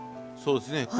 そうですね